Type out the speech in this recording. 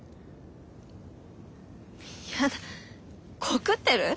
やだコクってる？